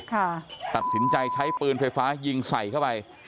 ตัดสินใจใช้ปืนไฟฟ้ายิงใส่เข้าไป